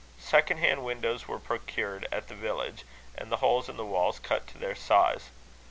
Second hand windows were procured at the village, and the holes in the walls cut to their size.